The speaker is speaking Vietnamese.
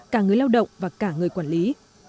cả người lao động và cả người quản lý